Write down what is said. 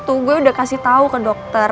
justru itu gue udah kasih tau ke dokter